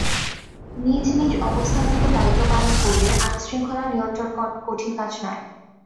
নিজ নিজ অবস্থান থেকে দায়িত্ব পালন করলে আইনশৃঙ্খলা নিয়ন্ত্রণ কঠিন কাজ নয়।